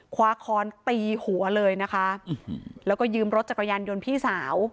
คว้าคอนตีหัวเลยนะคะแล้วก็ยืมรถจักรยานยนต์พี่สาว